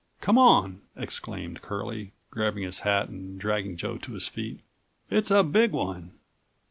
"Come on," exclaimed Curlie, grabbing his hat and dragging Joe to his feet. "It's a big one.